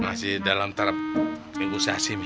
masih dalam tarap negosiasi mi